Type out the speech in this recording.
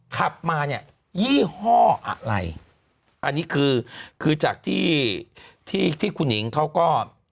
ขับมายี่ห้ออะไรอันนี้คือจากที่คุณหนิงเขาก็